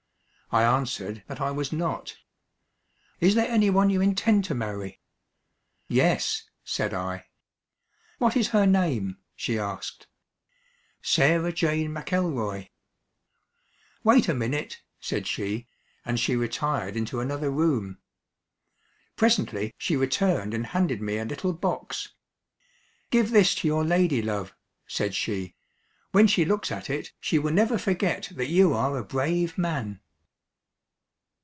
I answered that I was not. "Is there any one you intend to marry?" "Yes," said I. "What is her name?" she asked. "Sarah Jane McElroy." "Wait a minute," said she, and she retired into another room. Presently she returned and handed me a little box. "Give this to your ladylove," said she; "when she looks at it, she will never forget that you are a brave man."